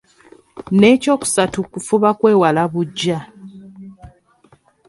N’ekyokusatu kufuba kwewala buggya.